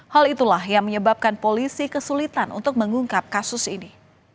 hal itulah yang menyebabkan polisi kesulitan untuk mengungkap kasus ini